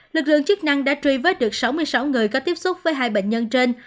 lực lượng chức năng đã truy vết được sáu mươi sáu người có tiếp xúc với hai bệnh nhân trên